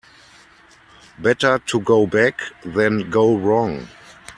Better to go back than go wrong.